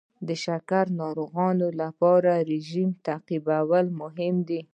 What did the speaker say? د شکر ناروغانو لپاره رژیم تعقیبول مهم دي.